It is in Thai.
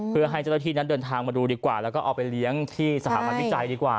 เพื่อให้เจ้าหน้าที่นั้นเดินทางมาดูดีกว่าแล้วก็เอาไปเลี้ยงที่สถาบันวิจัยดีกว่า